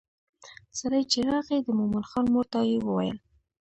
سړی چې راغی د مومن خان مور ته یې وویل.